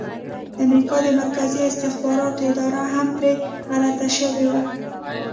د امریکا د مرکزي استخباراتو اداره هم پرې غلطه شوې وه.